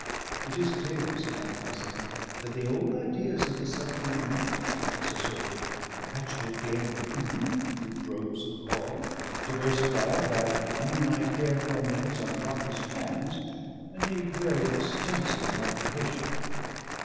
"It is clear," says my cousin, "that the old ideas of the submarine life as a sort of perpetual game of 'who hoop' through groves of coral, diversified by moonlight hair combings on rocky strands, need very extensive modification."